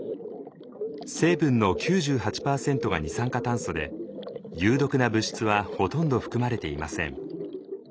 成分の９８％が二酸化炭素で有毒な物質はほとんど含まれていません。